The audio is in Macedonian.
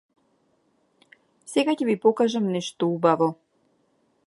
Сега ќе ви покажам нешто убаво.